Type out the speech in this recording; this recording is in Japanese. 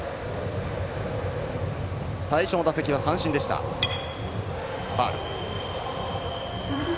最初の打席は三振でした、足谷。